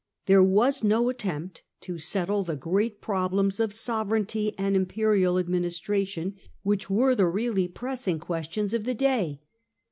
There was no attempt to settle the great problems of sovereignty and imperial administration, which were the 52 CAIUS GRACCHUS really pressing questions of the day.